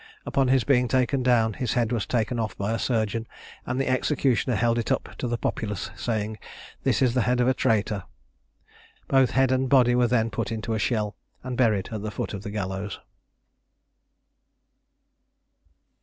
Upon his being taken down, his head was taken off by a surgeon, and the executioner held it up to the populace, saying "This is the head of a traitor." Both head and body were then put into a shell, and buried at the foot of the gallows.